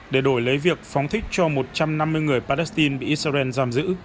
để đổi lấy việc phóng thích cho một trăm năm mươi người palestine bị israel giam giữ